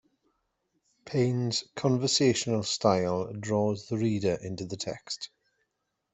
Paine's conversational style draws the reader into the text.